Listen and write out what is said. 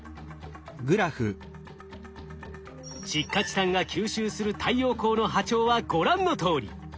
窒化チタンが吸収する太陽光の波長はご覧のとおり。